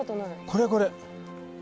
これこれ！